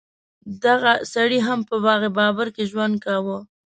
دغه سړي هم په باغ بابر کې ژوند کاوه.